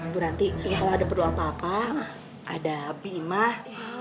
bu ranti kalau ada perlu apa apa ada api mah